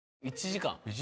１時間？